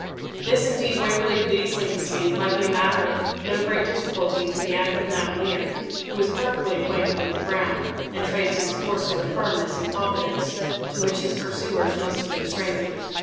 This indeed Waverley could easily conceive might be a matter of no great difficulty to the active mountaineer, who was perfectly acquainted with the ground, and traced his course with a firmness and confidence to which his pursuers must have been strangers.